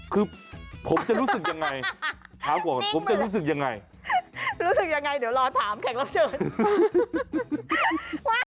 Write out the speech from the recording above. คือผมจะรู้สึกยังไงถามก่อนผมจะรู้สึกยังไงรู้สึกยังไงเดี๋ยวรอถามแขกรับเชิญ